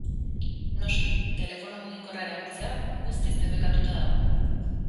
Noski, telefono mugikorra erabiltzea guztiz debekatua dago.